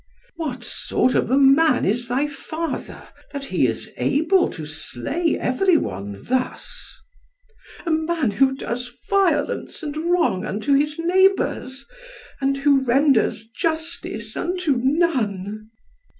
"What sort of a man is thy father, that he is able to slay every one thus?" "A man who does violence and wrong unto his neighbours, and who renders justice unto none."